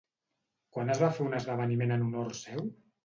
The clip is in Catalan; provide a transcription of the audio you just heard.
Quan es va fer un esdeveniment en honor seu?